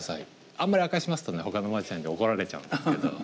あんまり明かしますとねほかのマジシャンに怒られちゃうんですけど。